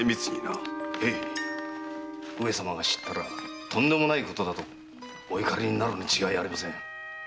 へい上様が知ったらとんでもないことだとお怒りになるに違いありません。